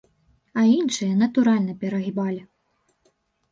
А іншыя, натуральна, перагібалі.